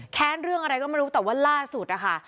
เรื่องอะไรก็ไม่รู้แต่ว่าล่าสุดนะคะ